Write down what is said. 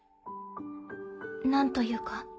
何というか。